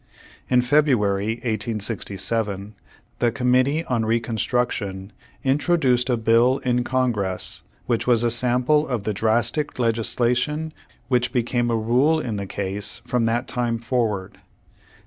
In February, 1867, the Committee on Recon struction introduced a bill in Congress which was a sample of the drastic legislation which became the rule in the case from that time forward.